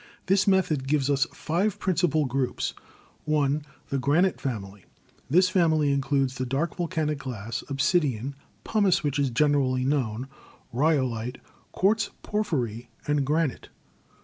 This method gives us five principal groups: (i) The Granite Family. This family includes the dark volcanic glass, obsidian; pumice, which is generally known; rhyolite, quartz por phyry and granite.